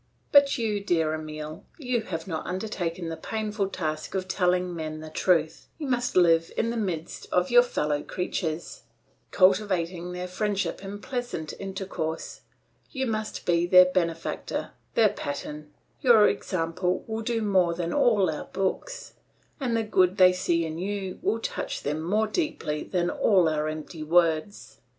But you, dear Emile, you have not undertaken the painful task of telling men the truth, you must live in the midst of your fellow creatures, cultivating their friendship in pleasant intercourse; you must be their benefactor, their pattern; your example will do more than all our books, and the good they see you do will touch them more deeply than all our empty words.